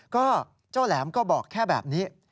ก็เจ้าแหลมก็บอกแค่แบบนี้